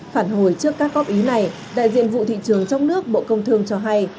phản hồi trước các góp ý này đại diện vụ thị trường trong nước bộ công thương cho hay